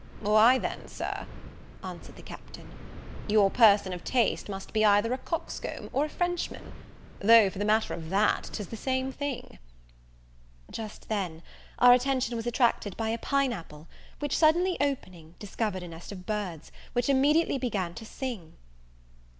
"Why then, Sir," answered the Captain, "your person of taste must be either a coxcomb, or a Frenchman; though, for the matter of that, 'tis the same thing." Just then our attention was attracted by a pine apple; which, suddenly opening, discovered a nest of birds, which immediately began to sing.